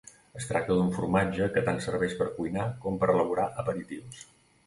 Es tracta d'un formatge que tant serveix per cuinar com per elaborar aperitius.